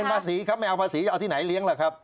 ภาษีครับไม่เอาภาษีจะเอาที่ไหนเลี้ยงล่ะครับ